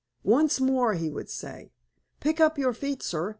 "Once more," he would say. "Pick up your feet, sir!